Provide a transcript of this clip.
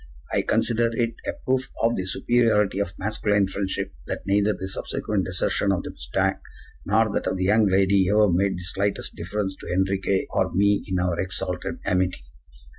I consider it a proof of the superiority of masculine friendship that neither the subsequent desertion of the mustang nor that of the young lady ever made the slightest difference to Enriquez or me in our exalted amity.